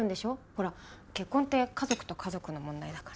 ほら結婚って家族と家族の問題だから。